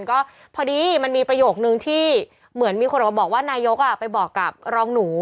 ก็พอดีมันมีประโยคนึงที่เหมือนมีคนออกมาบอกว่านายกไปบอกกับรองหนู